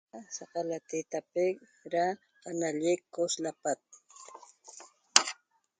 So cailetateguet da so qanañeq so lapat